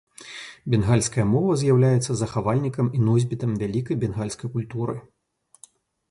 Бенгальская мова з'яўляецца захавальнікам і носьбітам вялікай бенгальскай культуры.